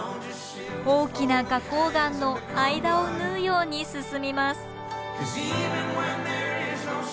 大きな花こう岩の間を縫うように進みます。